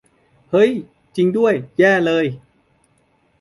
เอ้อ จริงด้วย แย่เลย